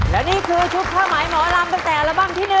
และนี่คือชุดผ้าหมายหมอลำตั้งแต่อัลบั้มที่๑